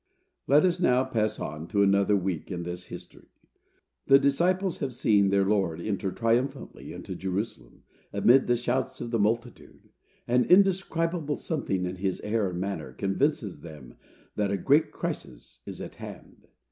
Let us now pass on to another week in this history. The disciples have seen their Lord enter triumphantly into Jerusalem, amid the shouts of the multitude. An indescribable something in his air and manner convinces them that a great crisis is at hand.